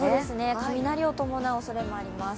雷を伴うおそれもあります。